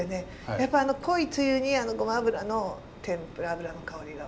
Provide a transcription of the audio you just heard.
やっぱ濃いつゆにあのごま油の天ぷら油の香りがすごく合って。